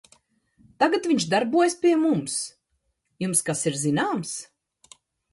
-Tagad viņš darbojas pie mums. Jums kas ir zināms?